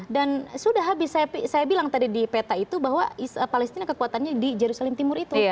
dan sudah habis saya bilang tadi di peta itu bahwa palestina kekuatannya di jerusalem timur itu